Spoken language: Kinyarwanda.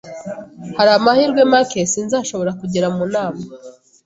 Hari amahirwe make sinzashobora kugera mu nama